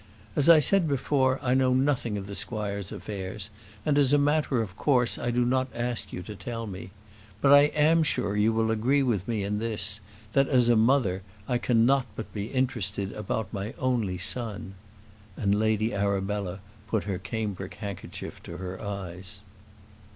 As I said before, I know nothing of the squire's affairs, and, as a matter of course, I do not ask you to tell me. But I am sure you will agree with me in this, that, as a mother, I cannot but be interested about my only son," and Lady Arabella put her cambric handkerchief to her eyes.